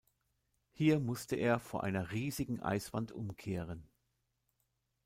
Hier musste er vor einer riesigen Eiswand umkehren.